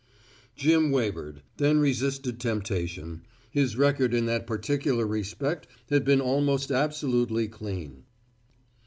Jim wavered, then resisted temptation. His record in that particular respect had been almost absolutely clean.